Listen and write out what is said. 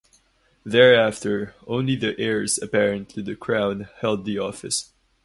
Thereafter, only the heirs-apparent to the Crown held the office.